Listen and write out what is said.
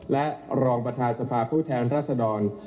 และรองประธานสภาผู้แทนรัศดร